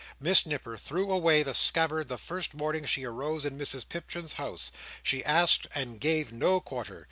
Miss Nipper threw away the scabbard the first morning she arose in Mrs Pipchin's house. She asked and gave no quarter.